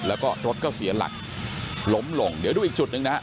แล้วก็รถก็เสียหลักล้มลงเดี๋ยวดูอีกจุดหนึ่งนะฮะ